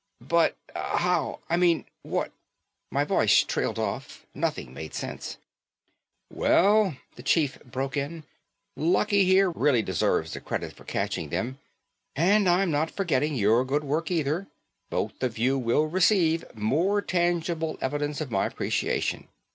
"But how I mean what...?" My voice trailed off. Nothing made sense. "Well," the chief broke in, "Lucky here really deserves the credit for catching them. And I'm not forgetting your good work either. Both of you will receive more tangible evidence of my appreciation.